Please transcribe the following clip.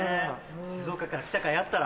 静岡から来た甲斐あったら。